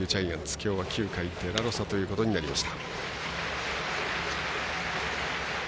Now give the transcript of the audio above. きょうは９回デラロサということになりました。